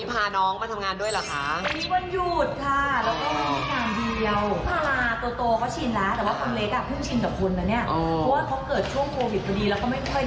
โมเดตอินเตอร์แน่เลย